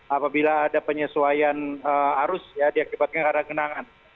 apabila ada penyesuaian arus ya diakibatkan karena genangan